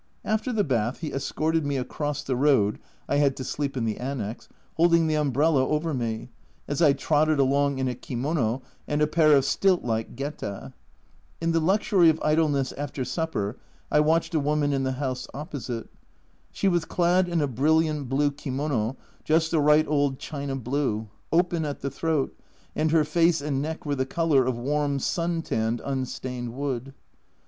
After the bath he escorted me across the road (I had to sleep in the annexe), holding 'the umbrella over me, as I trotted along in a kimono and a pair of stilt like gheta. In the luxury of idleness after supper I watched a woman in the house opposite. She was clad in a brilliant blue kimono, just the right old china blue open at the throat, and her face and neck were the colour of warm sun tanned unstained wood.